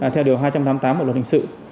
theo điều hai trăm tám mươi tám của luật hình sự